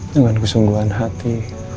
dengan kesungguhan hati